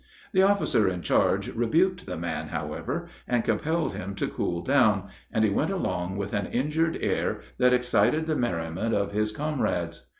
The officer in charge rebuked the man, however, and compelled him to cool down, and he went along with an injured air that excited the merriment of his comrades.